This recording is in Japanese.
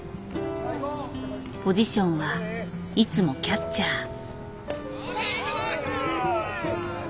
ポジションはいつもキャッチャー。